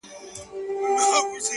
تاته سلام په دواړو لاسو كوم”